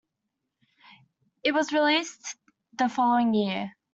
It was released the following year.